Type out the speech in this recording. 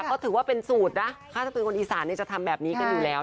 ก็ถือว่าเป็นสูตรนะถ้าเป็นคนอีสานจะทำแบบนี้กันอยู่แล้ว